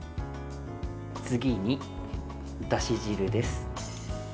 次に、だし汁です。